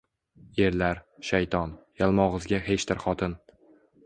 Erlar — shayton, yalmogʼizga xeshdir xotin.